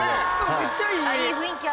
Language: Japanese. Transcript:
めっちゃいい。